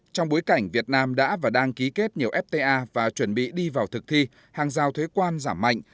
trong bối cảnh việt nam đã và đang ký kết nhiều fta và chuẩn bị đi vào thực thi hàng giao thuế quan giảm mạnh